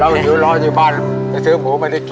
อยู่รออยู่บ้านไปซื้อหมูไม่ได้กิน